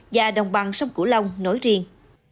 và đồng bằng sông cửu long nối riêng